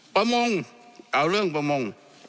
ประมงเอาเรื่องประมง